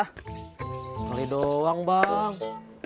sekali doang bang